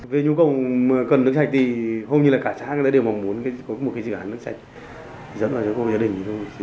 về nhu cầu cần nước sạch thì không như là cả trang đã đều mong muốn có một cái dự án nước sạch dẫn vào cho cô gia đình